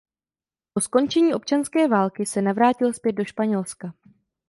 Po skončení občanské války se navrátil zpět do Španělska.